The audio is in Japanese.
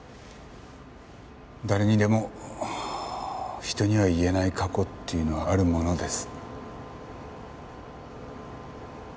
誰にでも人には言えない過去っていうのはあるものです。